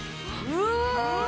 うわ！